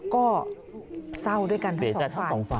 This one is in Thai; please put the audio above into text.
ก็เศร้าด้วยกันทั้งสองฝั่ง